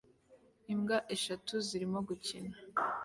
Imbwa eshatu zirimo gukina